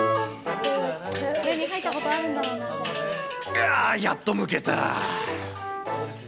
あー、やっとむけた。